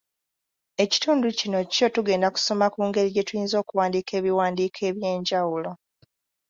Ekitundu kino kyo tugenda kusoma ku ngeri gye tuyinza okuwandiika ebiwandiiko eby’enjawulo.